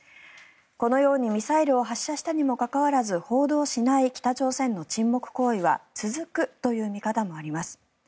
このようにミサイルを発射したにもかかわらず報道しない北朝鮮の沈黙行為は続くという見方もあります。